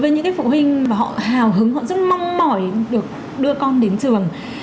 những cái phụ huynh họ hào hứng họ rất mong mỏi được đưa con đến trường